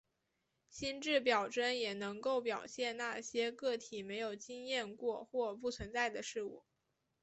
心智表征也能够表现那些个体没有经验过或不存在的事物。